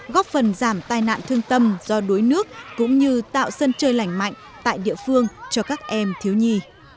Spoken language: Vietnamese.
góp phần giảm tai nạn thương tâm do đuối nước cũng như tạo sân chơi lành mạnh tại địa phương cho các em thiếu nhi